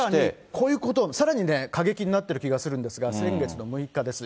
さらに、さらにね、過激になってる気がするんですが、先月の６日です。